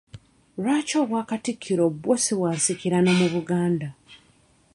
Lwaki obwakatikkiro bwo si bwa nsikirano mu Buganda?